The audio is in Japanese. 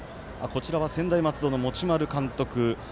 専大松戸の持丸監督。